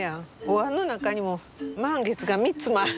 お椀の中にも満月が３つもある。